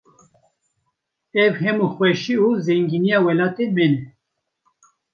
Ev hemû xweşî û zengîniya welatê me ne.